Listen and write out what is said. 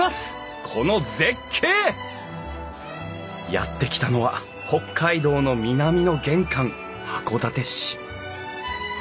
やって来たのは北海道の南の玄関函館市。